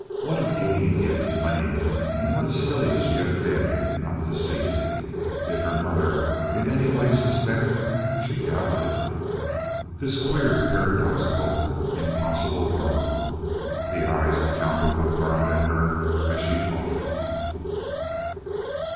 What a game he had been playing, and what a silly she had been not to see it. Did her mother in any way suspect? She doubted it. This queer, paradoxical, impossible world! The eyes of Cowperwood burned at her as she thought.